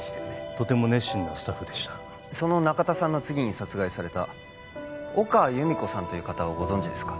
とても熱心なスタッフでしたその中田さんの次に殺害された岡由美子さんをご存じですか？